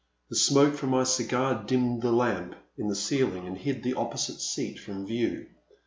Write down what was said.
The smoke from my cigar dimmed the lamp in the ceiling and hid the opposite seat from view.